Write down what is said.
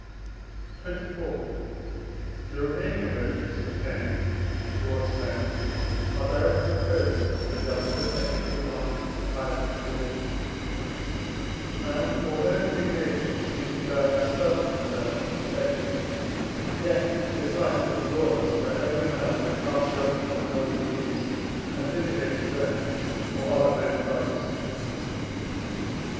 XXIV. The remaining emotions of pain towards men are directly opposed to justice, equity, honour, piety, and religion; and, although indignation seems to bear a certain resemblance to equity, yet is life but lawless, where every man may pass judgment on another's deeds, and vindicate his own or other men's rights.